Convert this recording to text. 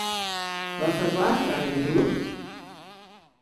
Wat foar waar krije we hjoed?